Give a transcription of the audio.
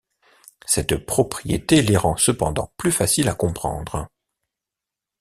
Cette propriété les rend cependant plus faciles à comprendre.